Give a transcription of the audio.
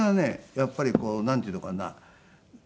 やっぱりなんていうのかな。